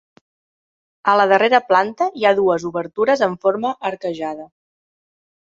A la darrera planta hi ha dues obertures en forma arquejada.